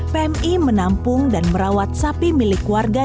pmi menampung dan merawat sapi milik warga